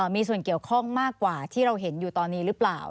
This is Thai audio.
มีส่วนเกี่ยวข้องมากกว่าที่เราเห็นอยู่ตอนนี้หรือเปล่า